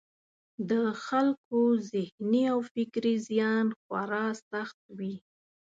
د خلکو ذهني او فکري زیان خورا سخت وي.